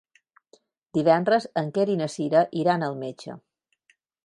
Divendres en Quer i na Cira iran al metge.